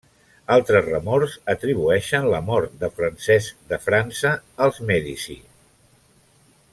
Altres remors atribueixen la mort de Francesc de França, als Mèdici.